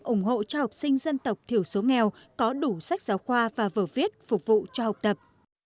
ủng hộ cho học sinh dân tộc thiểu số nghèo có đủ sách giáo khoa và vở viết phục vụ cho học tập